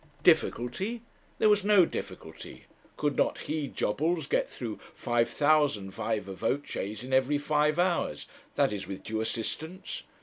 Difficulty! There was no difficulty. Could not he, Jobbles, get through 5,000 viva voces in every five hours that is, with due assistance?